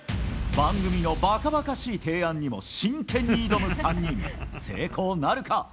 番組のばかばかしい提案にも真剣に挑む３人、成功なるか。